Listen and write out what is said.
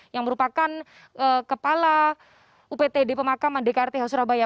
yang merupakan kepala uptd pemakaman dkrth surabaya